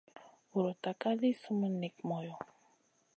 Vuruta ka li summun nik moyo.